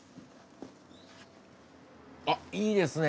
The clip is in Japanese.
あっいいですね！